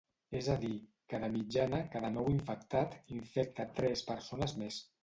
És a dir, que de mitjana cada nou infectat infecta tres persones més.